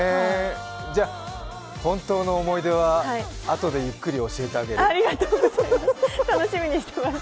じゃあ、本当の思い出はあとでゆっくり教えてあげる。